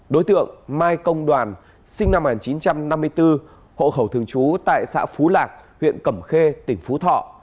đối tượng mai công đoàn sinh năm một nghìn chín trăm năm mươi bốn hộ khẩu thường trú tại xã phú lạc huyện cẩm khê tỉnh phú thọ